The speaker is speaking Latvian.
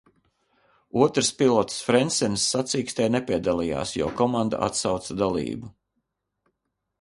Otrs pilots, Frencens, sacīkstē nepiedalījās, jo komanda atsauca dalību.